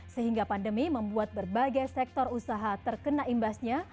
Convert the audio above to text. sehingga pandemi membuat berbagai sektor usaha terkena imbasnya